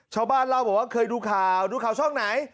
ชาวบ้านเล่าบอกว่าเคยดูข่าวดูข่าวช่องไหน